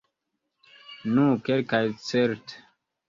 Nu, kelkaj certe.